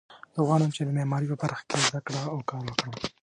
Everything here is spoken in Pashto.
زه غواړم چې د معماري په برخه کې زده کړه او کار وکړم